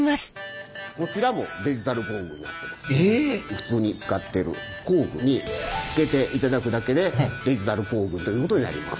普通に使ってる工具につけていただくだけでデジタル工具ということになります。